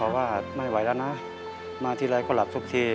ว่าไม่ไหวแล้วนะมาทีไรก็หลับทุกที